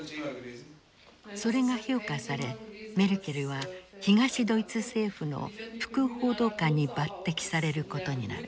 それが評価されメルケルは東ドイツ政府の副報道官に抜てきされることになる。